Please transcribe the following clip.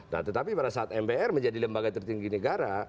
nah tetapi pada saat mpr menjadi lembaga tertinggi negara